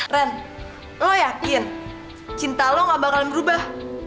ren lo yakin cinta lo gak bakalan berubah